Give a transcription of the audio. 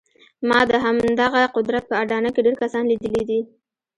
ما د همدغه قدرت په اډانه کې ډېر کسان لیدلي دي